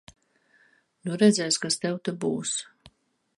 Nu redzēs, kas tev te būs.